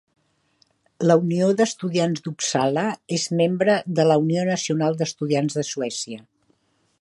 La Unió d'Estudiants d'Uppsala és membre de la Unió Nacional d'Estudiants de Suècia.